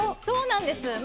そうなんです。